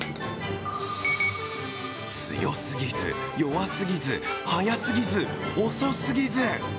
強すぎず、弱すぎず、速すぎず、遅すぎず。